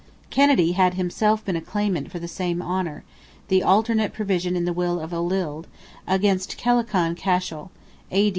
Kennedy had himself been a claimant for the same honour, the alternate provision in the will of Olild, against Kellachan Cashel (A.